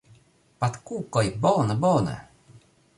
Patkukoj! Bone bone!